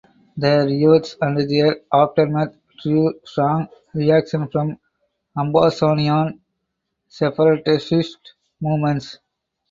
The riots and their aftermath drew strong reactions from Ambazonian separatist movements.